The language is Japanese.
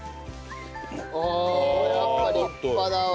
ああやっぱ立派だわ。